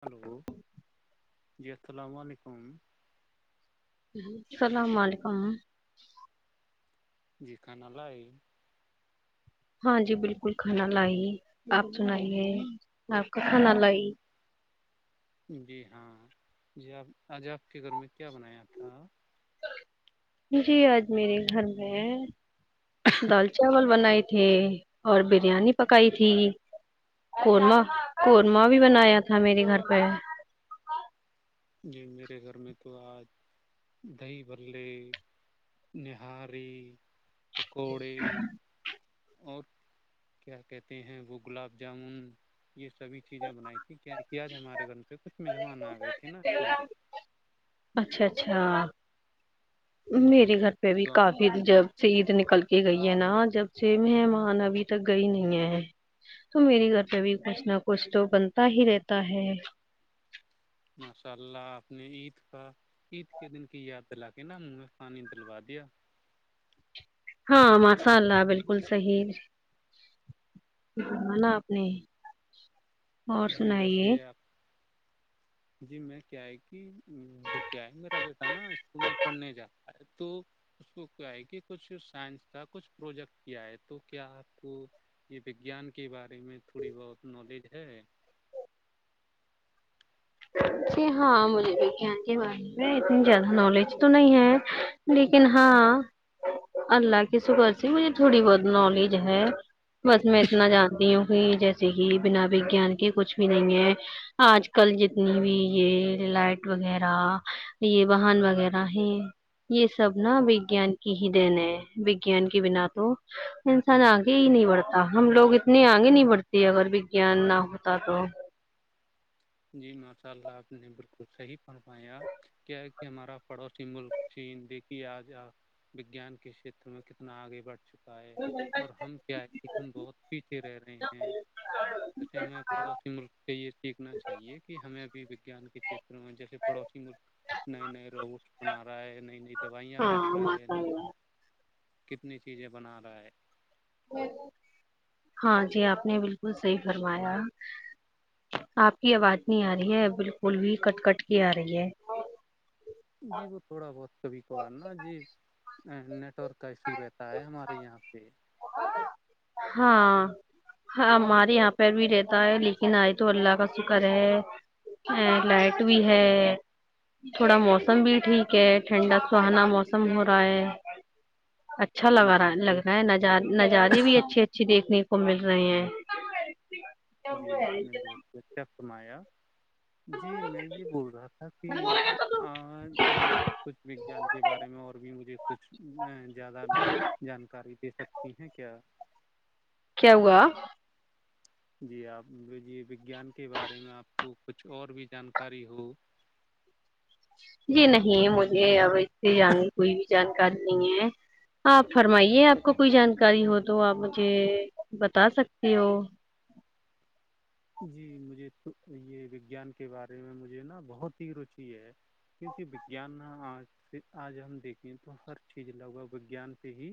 hello جی [unintelligible] اللام علیکم اللام علیکم جیکھ نل ہاں جی بالکل کھانا لائی آپ سنائیے آپ کا کھانا لائی جی ہاں جی آپ آج آپ کے گھر میں کیا بنایا تھا جی آج میرے گھر میں ہے دال چاول بنائی تھے اور بریانی پکائی تھی قورمہ قورمہ بھی بنایا تھا میرے گھر پہ جی میرے گھر میں تو آج دہی بھللے نہاری پکوڑے اور کیا کہتے ہیں وہ گلاب جامن یہ سبھی چیزیں بنائی تھی کیا کیا ہے ہمارے گھر سے کچھ مہمان آ گئے تھ [unintelligible] اچھا اچھا جی میرے گھر پہ بھی تو کافی جب سے عید نکل کہ گئی ہے نا جب سے مہمان ابھی تک گئی نہیں ہے تو میرے گھر پہ بھی کچھ نہ کچھ تو بنتا ہی رہتا ہے ماشاء اللہ آپ نے عید کا عید کے دن کی یاد دلا کے نا منہ میں پانی دلوا دیا ہاں ماشاء اللہ بالکل صحیح بانا آپ نے اور جی ویسے سنائیے ہے آپ جی میں کیا ہے کہ وہ کیا ہے میرا بیٹا نا اسکول میں پڑھنے جاتا ہے تو اس کو کیا ہے کہ کچھ سائنس کا کچھ پروجیکٹ کیا ہے تو کیا آپ کو یہ وگیان کے بارے میں تھوڑی بہت نالج ہے جی ہاں مجھے وگان کے بارے میں اتنی زیادہ نالج تو نہیں ہے لیکن ہاں اللہ کے شکر سے مجھے تھوڑی بہت نالج ہے بس میں اتنا جانتی ہوں کہ جیسے کہ بنا وگیان کے کچھ بھی نہیں ہے آج کل ج جتنی بھی یہ لائٹ وغیرہ یہ واہن وغیرہ ہے یہ سب نا وگیان کی ہی دین ہے وگان کے بنا تو انسان آگے ہی نہیں بڑھتا ہم لوگ اتنے آگے نہیں بڑھتے اگر وگیان نہ ہوتا تو جی ماشاء اللہ آپ نے بالکل صحیح فنمایا کیا کہ ہمارا پڑوسی ملک چین د کہ آج وجان کے کھیتر میں کتنا آگے بڑھتا چک ہے اور ہم کیا کہ ہم بہت پیچھے رہ رہے ہیں جیسے ہمیں پڑوسی ملک سے یہ سیکھنا چاہیے کہ ہمیں بھی وگان کے کھیت میں جیسے پڑوسی ملک نئے نئے روبوٹس بنا رہا ہے نئی نئی دوائیاں بنا ہاں رہا ہے ماشاء اللہ کتنی چیزیں بنا رہا ہے ہاں جی آپ نے بالکل صحی فرمایا آپ یہ آواز نہیں آ رہی ہے بالکل پل بھی کٹ کٹ کی آ رہی ہے ہے جی وہ نیٹ ورک کا ایشو رہتا ہے ہمارے یہاں پہ ہاں ہاں ہمارے یہاں پر بھی رہتا ہے لیکن آج تو اللہ کا شکر ہے ا لائٹ بھی ہے تھوڑا موسم بھی ٹھیک ہے ٹھنڈا سہانا موسم ہو رہا ہے اچھا لگا جی رہا لگ صحیح رہا ہے ن نظارے بھی اچھے اچھے دیکھنے کو مل رہے نہیںے [unintelligible] جی آپ نے بہت اچھا کمایا [unintelligible] جی میں یہ بول رہا تھا کہ یہ آپ کچھ وگان کے بارے میں اور بھی مجھے کچھ زیادہ جانکاری دے سکتی ہیں کیا کیا ہوا [unintelligible] جی آپجے وگیان کے بارے میں آپ کو کچھ اور بھی جانکاری ہو جی نہیں مجھے اب جان گے کوئی بھی [unintelligible] جانکاری نہیں ہے آپ فرمائیے آپ کو کوئی جانکاری ہو تو آپ مجھے بتا سکتے ہو جی مجھے تو یہ وگیان کے بارے میں مجھے نا بہت ہی روچی ہے کیونکہ وگان ن آج سے آج ہم دیکھیں تو ہر چیز لوگ وگیان پہ ہی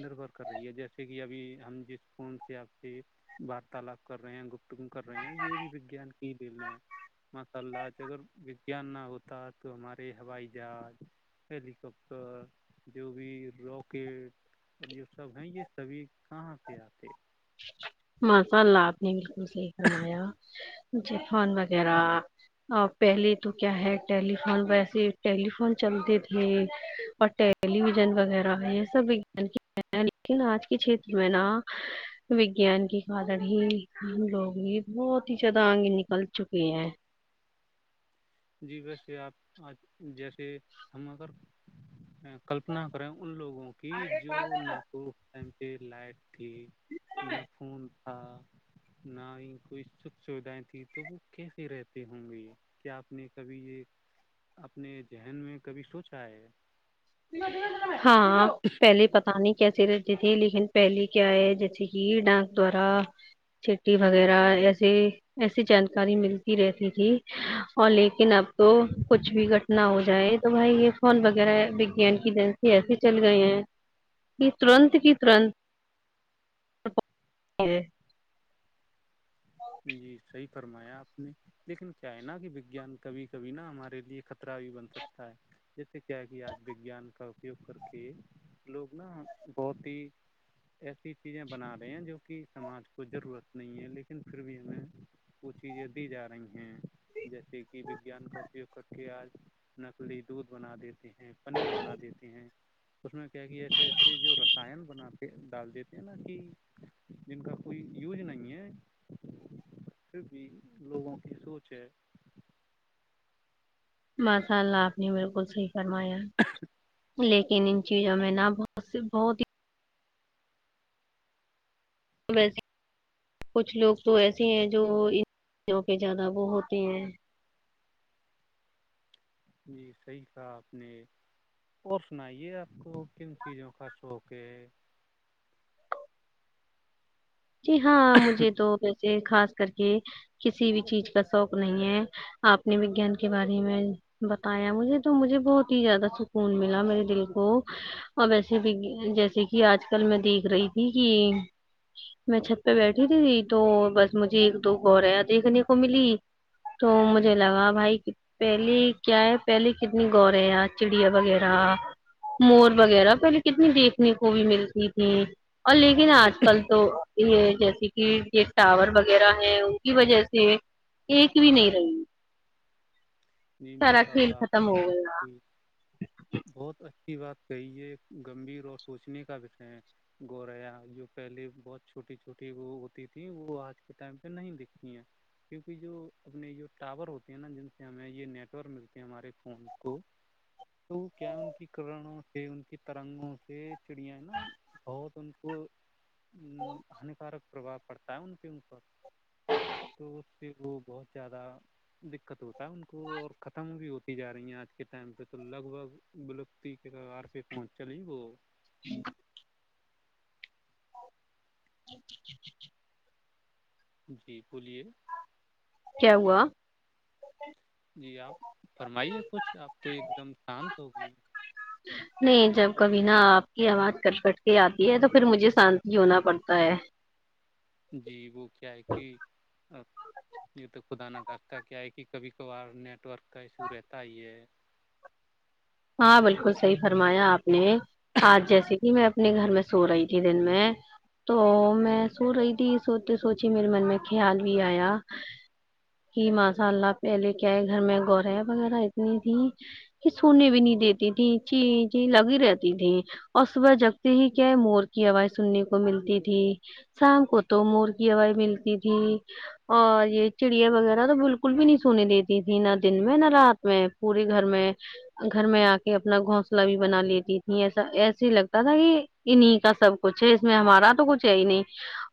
نربھر کر رہی ہے جیسے کہ ابھی ہم جس فون سے آپ سے وارتالاپ کر رہے ہیں گپ م کر رہے ہیں یہ بھی وگیان کی لے لے ہیں ماشاء اللہ اگر وگیان نہ ہوتا تو ہمارے ہوائی جہاز ہیلی کاپٹر جو بھی راکٹ اور یہ سب ہیں یہ سبھی کہاں سے آتے ا [inaudible] ماساء اللہ آپ نے بالکل صحیح فرمایا جی فون وغیرہ پہلے تو کیا ہے ٹیلیفون ویسے ٹیلیفون چلتے تھے اور ٹیلی ویژن وغیرہ یہ سب وان لیکن آج کے چھیت میں نا وگان کے کارن ہی ہم لوگ بھی بہت ہی زیادہ آگے نکل چکے ہیں جی ویسے آپ جیسے ہم اگر کلپنا کریں ان لوگوں کی جو ناگپور یہ لائٹ [unintelligible] کہ نہ فون ہاں نہ ہی کوئی سکھ سویدھائیں تھی تو وہ کیسے رہتی ہوں گے کیا آپ نے کبھی یہ اپنے ذہن میں کبھی سوچا ہے م مج [unintelligible] ہاں پہلے پتا نہیں کیسے رہتے تے لیکن پہلے کیا ہے جیسے کہ ڈانس دوارا چٹی وغیرہ ایسے ایسی جانکاری ملتی رہتی تھی اور لیکن اب تو کچھ بھی گھٹنا ہو جائے تو بھائی یہ فون وغیرہ کی دنسی ایسیے چل گئی ہیں کہ ترنت کی ترنت [unintelligible] جی صحی فرمایا آپ نے لیکن کیا ہے نا کہ وگیان کبھی کبھی نا ہمارے لیے خطرہ بھی بن سکتا ہے جیسے کیا کہ آج وگان کا اپیوگ کر کے لوگ نا بہت ہی ایسی چیزیں بنا رہے ہیں جو کہ سماج کو ضرورت نہیں ہے لیکن پھر بھی ہمیں وہ چیزیں دی جا رہی ہیں جیسے کہ وگیان کا اپیوگ کر کے آج نکلی دودھ بنا دیتے ہیں پنیر بنا دیتے ہیں اس میں کیا کہ ایسے ایسے جو رسائن بناات کے ڈال دیتے ہیں نا کہ جن کا کوئی یوج نہیں ہے پھر بھی لوگوں کی سوچ ہے ماشاءاللہ آپ نے بالکل صحیح فرمایا لیکن ان ان چیزوں میں نہ بہت سے بہت ہی ا وسے کچھ لوگ تو ایسے ہیں جو ان چیزوں پہ زیادہ وہ ہوتے ہیں جی صحیح کہا آپ نے اور سنائیے آپ کو کن چیزوں کا شوق ہے جی ہاں مجھے تو ویسے خاص کر کے کسی بھی چیز کا شوق نہیں ہے آپ نے وگیان کے بارے میں بتایا مجھے تو مجھے بہت ہی زیادہ سکون ملا میرے دل کو اور ویسے جیسے کہ آج کل میں دیکھ رہی تھی کہ میں چھت پہ بیٹھی تھی تو بس مجھے ایک دو گورےیاں دیکھنے کو ملی تو مجھے لگا بھائی پہلے کیا ہے پہلے کتنی گوریا چڑیا وغیرہ مور وغیرہ پہلے کتنی دیکھنے کو بھی ملتی تھی اور لیکن لیکن آج کل تو یہ جیسے کہ یہ ٹاور وغیرہ ہے ان کی وجہ سے ایک بھی نہیں رہی جی سارا ماشاء کھیل اللہ آپ نے ختم ہو بہت گیا صحیح بہت اچھی کی بات کہی گمبھیر اور سوچنے کا وشے ہے گوریا جو پہلے بہت چھوٹی چھوٹی وہ ہوتی تھی وہ آج کے ٹائم پہ نہیں دکھتی ہیں کیونکہ جو اپنے جو ٹاور ہوتی ہیں نا جن سے ہم یہ نیٹورک ملتے ہیں ہمارے فون کو تو کیا ان کی کرنوں سے ان کی ترنگوں سے چڑیا ہے نا بہت ان کو ہانیکارک پرباؤ پڑتا ہے ان کے اپر تو اس پ وہ بہت زیادہ دقت ہوتا ہے ان کو اور ختم بھی ہوتی جا رہی ہیں آج کے ٹائم پہ تو لگ بھگ ولپتی کے کار پہ پہنچ چلی وہ ہ [unintelligible] اچ [unintelligible] جی بولیے کیا ہوا جی آپ فرمائیے کچھ آپ تو ایک دم شانت ہو گئی ہیں نہیں جب کبھی نا آپ کی آواز کٹ کٹ کے آتی ہے تو پھر مجھے شانت ہی ہونا پڑھتا ہے جی وہ کیا ہے کہ یہ تو خدا نہ کرتا کیا ہے کہ کبھی کبھار نیٹ ورک کا ایشو رہتا ہی ہے ہاں بالکل صحیح فرمایا آپ نے آج جیسے کہ میں اپنے گھر میں سو رہی تھی دن میں تو میں سو رہی تھی سوتے سوچی میرے من میں خیال بھی آیا کہ ماشاء اللہ پہلے کیا ہے گھر میں گوریا وغیرہ اتنی تھی کہ سونے بھی بھی نہیں دیتی تھی چین چی لگی رہتی تھی اور صبح جگتے ہی کیا ہے مور کی ہوائ سننے کو ملتی تھی شام کو تو مور کی ہوائ ملتی تھی اور یہ چڑیا وغیرہ تو بالکل بھی نہیں سنے دیتی تھی نہ دن میں نہ رات میں پورے گھر میں گھر میں آ کے اپنا گھونسلہ بھی بنا لیتی تھی ایسا ایسے ہی لگتا تھا کہ انہیں کا سب کچھ ہے اس میں ہمارا تو کچھ ہے ہی نہیں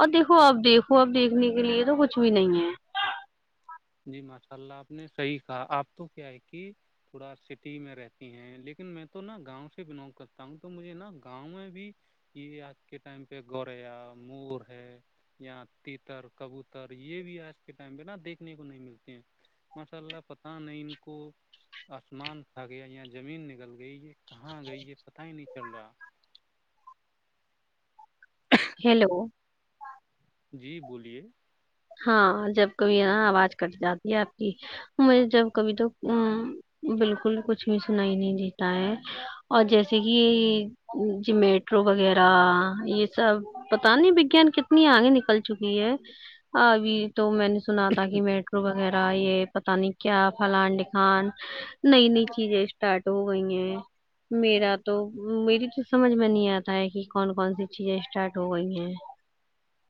اور دیکھو اب دیکھو اب دیکھنے کے لیے تو کچھ بھی نہیں ہے جی ماشاء اللہ آپ نے صحیح کہا آپ تو کیا ہے کہ تھوڑا سٹی میں رہتی ہیں لیکن میں تو نا گاؤں سے بلانگ کرتا ہوں تو مجھے نا گاؤں میں بھی یہ آج کے ٹائم پہ گوریا مور ہے یا تیتر کبوتر یہ بھی آج کے ٹائم پہ نا دیکھ دیکھنے کو نہیں ملتے ہیں ماشاء اللہ پتا نہیں ان کو آسمان کھا گیا یا زمین نگل گئی یہ کہاں گئی یہ پتا ہی نہیں چل رہا ہیلو جی بولیے ہاں جب کبھی ہے نا آواز کٹ جاتی ہے آپ کی مجھے جب کبھی تو بالکل کچھ بھی سنائی نہیں دیتا ہے اور جیسے کہ جو میٹرو وغیرہ یہ سب پتا نہیں وگیان کتنی آگے نکل چکی ہے ہاں ابھی تو میں نے سنا تھا کہ میٹرو وغیرہ یہ پتانی کیا فلان ڈھمکان نئی نئی چیزیں اسٹارٹ ہو گئی ہیں میرا تو میری تو سمجھ میں نہیں آتا ہے کہ کون کون سی چیزیں اسٹارٹ ہو گئی ہیں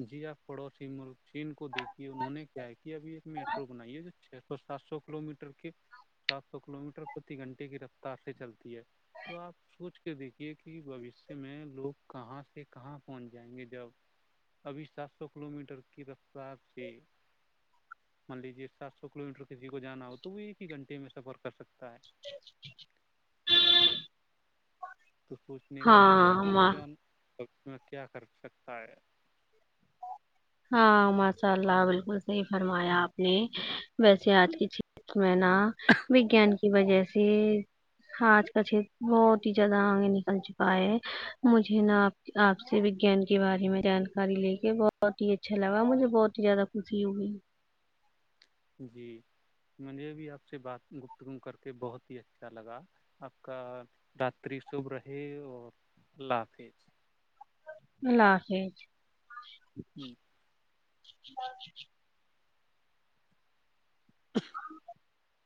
جی آپ پڑوسی ملک چین کو دیکھیے انہوں نے کیا ہے کہ ابھی ایک میٹرو بنائیے جو چھ سو سات سو کلو میٹر کے سات سو کلو میٹر پرتی گھنٹے کی رفتار سے چلتی ہے تو آپ سوچ کے دیکھیے کہ بوشیہ میں لوگ کہاں سے کہاں پہنچ جائیں گے جب ابھی سات سو کلو میٹر کی رفتار سے مان لیجیے سات سو کلو میٹر کسی کو جانا ہو تو وہ ایک ہی گھنٹے میں سفر کر سکتا ہے ہ [inaudible] تو سوچنے کا وشے کہ وگیان وقت میں کیا کر سکتا ہے ہاں ماشاء اللہ بالکل صحیح فرمایا آپ نے ویسے آج کی چز میں نا وگان کی وجہ سے آج کا چت بہت ہی زیادہ آگے نکل چکا ہے مجھے نا آپ آپ سے وجان کے بارے میں جانکاری لے کے ب بہت ہی اچھا لگا مجھے بہت ہی زیادہ خوشی ہوئی جی مجھے بھی آپ سے بات گپت گ کر کے بہت ہی اچھا لگا آپ کا داتری شب رہے اور اللہ حافظ اللہ حافظ ہوں [inaudible] ہ